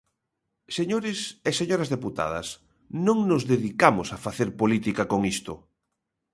Señores e señoras deputadas, non nos dedicamos a facer política con isto.